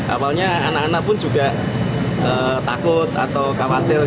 awalnya anak anak pun juga takut atau khawatir